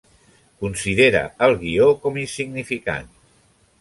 Considera el guió com insignificant.